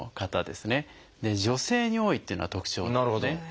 で女性に多いっていうのが特徴なんですね。